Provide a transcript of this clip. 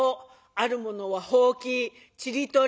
ある者はほうきちり取り。